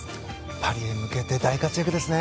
パリへ向けて大活躍ですね。